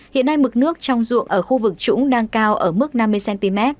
hiện nay mực nước trong ruộng ở khu vực trũng đang cao ở mức năm mươi cm